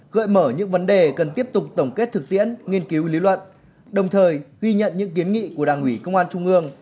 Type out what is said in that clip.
gợi mở những vấn đề cần tiếp tục tổng kết thực tiễn nghiên cứu lý luận đồng thời ghi nhận những kiến nghị của đảng ủy công an trung ương